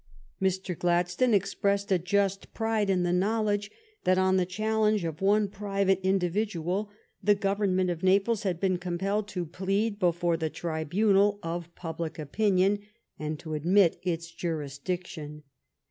Mr. Gladstone expressed a just pride in the knowledge that on the challenge of one private in dividual the Government of Naples had been com pelled to plead before the tribunal of public opinion. I40 THE STORY OF GLADSTONE'S LIFE and to admit its jurisdiction.